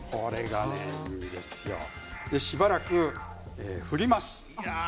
しばらく振ります。